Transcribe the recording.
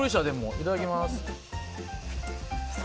いただきます。